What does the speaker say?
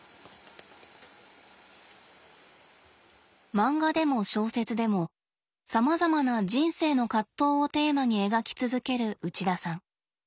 漫画でも小説でもさまざまな人生の葛藤をテーマに描き続ける内田さん。